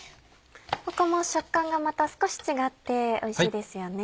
ここも食感がまた少し違っておいしいですよね。